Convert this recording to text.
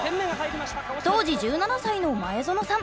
当時１７歳の前園さん。